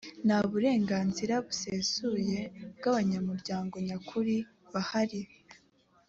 nta burenganzira busesuye bw’abanyamuryango nyakuri bahari